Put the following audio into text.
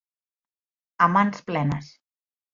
A mans plenes.